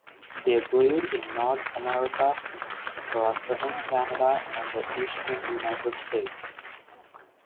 They breed in North America, across southern Canada and the eastern United States.